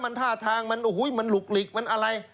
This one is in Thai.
มันท่าทางมันโอ้โหมันหลุกหลีกมันอะไร